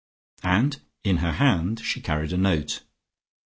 And in her hand she carried a note.